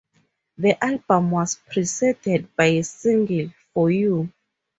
The album was preceded by single "For You".